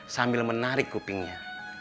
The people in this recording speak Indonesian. sambil menarik kupingnya